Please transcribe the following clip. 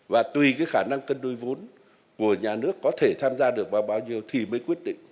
và tùy khả năng cân đối vốn của nhà nước có thể tham gia được vào bao nhiêu thì mới quyết định